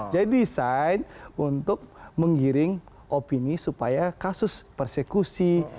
jadi desain untuk menggiring opini supaya kasus persekusi